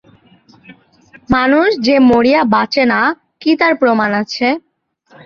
মানুষ যে মরিয়া বাঁচে না কী তার প্রমাণ আছে?